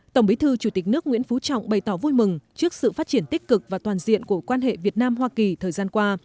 tổng bí thư chủ tịch nước nguyễn phú trọng bày tỏ vui mừng trước sự phát triển tích cực và toàn diện của quan hệ việt nam hoa kỳ thời gian qua